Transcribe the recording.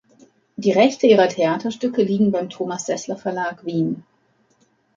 Die Rechte ihrer Theaterstücke liegen beim Thomas Sessler Verlag, Wien.